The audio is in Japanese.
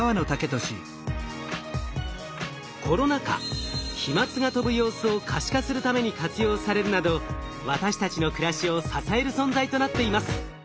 コロナ禍飛まつが飛ぶ様子を可視化するために活用されるなど私たちの暮らしを支える存在となっています。